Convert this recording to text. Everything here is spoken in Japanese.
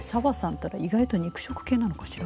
ったら意外と肉食系なのかしら？